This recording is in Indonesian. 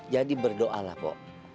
jadi berdoa lah mpo